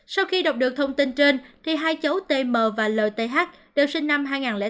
sau khi đọc được thông tin trên thì hai cháu tm và lth đều sinh năm hai nghìn bốn